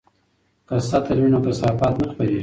که سطل وي نو کثافات نه خپریږي.